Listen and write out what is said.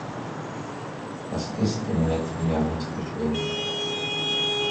Das ist in den letzten Jahren nicht geschehen.